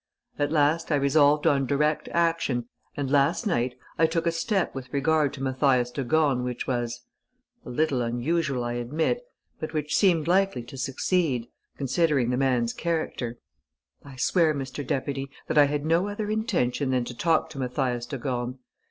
At last I resolved on direct action and last night I took a step with regard to Mathias de Gorne which was ... a little unusual, I admit, but which seemed likely to succeed, considering the man's character. I swear, Mr. Deputy, that I had no other intention than to talk to Mathias de Gorne.